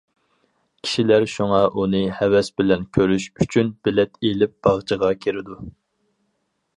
كىشىلەر شۇڭا ئۇنى ھەۋەس بىلەن كۆرۈش ئۈچۈن بېلەت ئېلىپ باغچىغا كىرىدۇ.